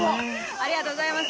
ありがとうございます。